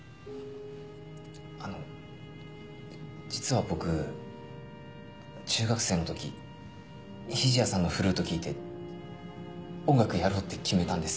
あの実は僕中学生の時日地谷さんのフルート聴いて音楽やろうって決めたんです。